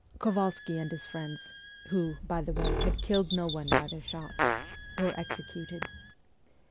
Kovalsky and his friends who, by the way, had killed no one by their shots were executed.